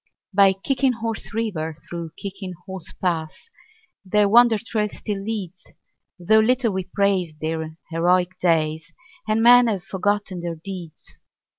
By Kicking Horse River, through Kicking Horse Pass, Their wonder trail still leads, Though little we praise their heroic days And men have forgotten their deeds.